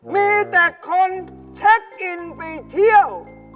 มีแต่คนชักกินไปเที่ยว